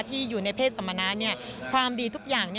ที่อยู่ในเพศสมณะความดีทุกอย่าง